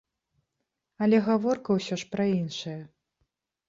Але гаворка ўсё ж пра іншае.